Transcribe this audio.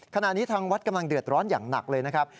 ขณะนี้ทางวัดกำลังเดือดร้อนอย่างหนักเลยนะครับ